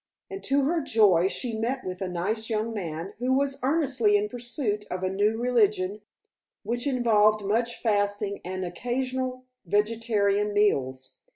And to her joy, she met with a nice young man, who was earnestly in pursuit of a new religion, which involved much fasting and occasional vegetarian meals.